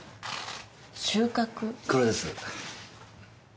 これです。